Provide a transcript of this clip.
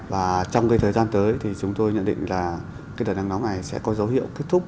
và trong thời gian tới thì chúng tôi nhận định là cái đợt nắng nóng này sẽ có dấu hiệu kết thúc